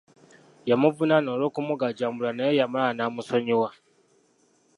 Yamuvunaana olw'okumugajambula naye yamala n'amusonyiwa.